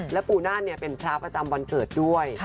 และปูนานเป็นพระประจำวันเกิดด้วย